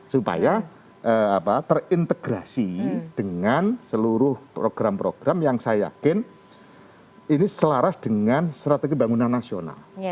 supaya terintegrasi dengan seluruh program program yang saya yakin ini selaras dengan strategi bangunan nasional